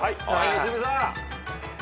良純さん。